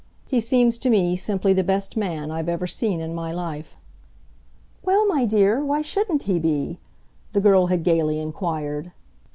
He seems to me simply the best man I've ever seen in my life." "Well, my dear, why shouldn't he be?" the girl had gaily inquired.